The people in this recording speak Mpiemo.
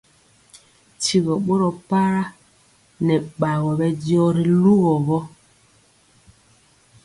Tyigɔ boro para nɛ bagɔ bɛ diɔ ri lugɔ gɔ.